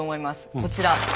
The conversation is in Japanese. こちら。